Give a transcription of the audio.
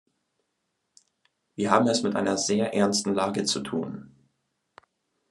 Wir haben es mit einer sehr ernsten Lage zu tun.